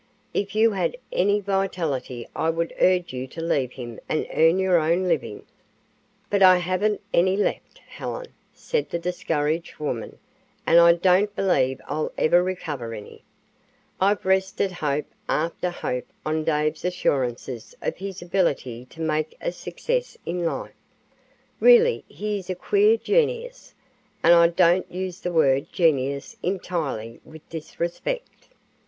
If you had any vitality I would urge you to leave him and earn your own living." "But I haven't any left, Helen," said the discouraged woman; "and I don't believe I'll ever recover any. I've rested hope after hope on Dave's assurances of his ability to make a success in life. Really he is a queer genius, and I don't use the word genius entirely with disrespect.